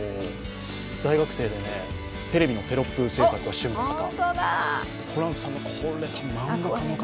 大学生で、テレビのテロップ制作が趣味の方。